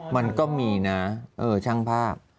มันก็มีนะช่างภาพ